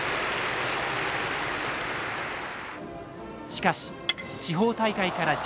しかし地方大会から１０試合